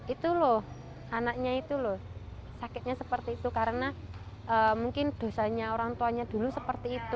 itu loh anaknya itu loh sakitnya seperti itu karena mungkin dosanya orang tuanya dulu seperti itu